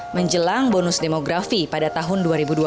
menjelang bonus demografi pada tahun dua ribu dua puluh